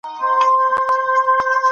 هغه پنځه مصرفوي.